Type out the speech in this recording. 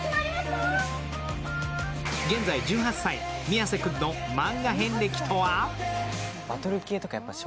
現在１８歳、宮世君のマンガ遍歴とは？